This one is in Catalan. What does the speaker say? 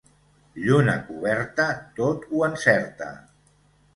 Lluna coberta tot ho encerta.